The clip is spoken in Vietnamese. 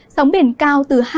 sóng biển cao từ hai